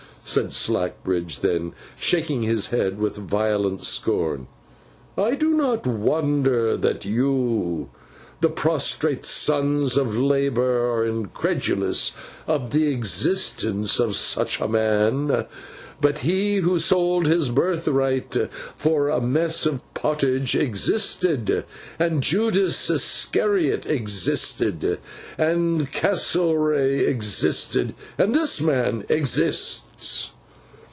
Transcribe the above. said Slackbridge then, shaking his head with violent scorn, 'I do not wonder that you, the prostrate sons of labour, are incredulous of the existence of such a man. But he who sold his birthright for a mess of pottage existed, and Judas Iscariot existed, and Castlereagh existed, and this man exists!